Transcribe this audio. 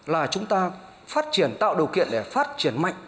là chúng ta phát triển tạo điều kiện để phát triển mạnh